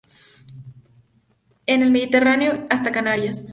En el Mediterráneo y hasta Canarias.